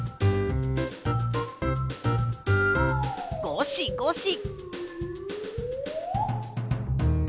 ごしごし。